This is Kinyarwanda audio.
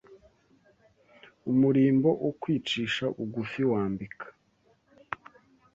umurimbo wo kwicisha bugufi wambika